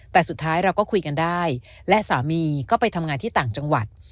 แต่สุดท้ายเราก็คุยกันได้และสามีก็ไปทำงานที่ต่างจังหวัด